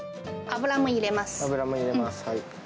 油も入れます。